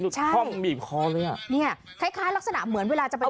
ใช่คล่อมบีบคอเลยอ่ะเนี่ยคล้ายคล้ายลักษณะเหมือนเวลาจะไป